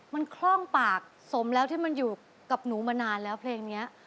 มันคล่องปากสมแล้วที่มันอยู่กับหนูมานานแล้วเพลงนี้